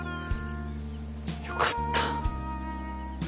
よかった。